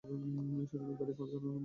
সে এখানে পাঁচদিন ধরে মরে পড়ে আছে!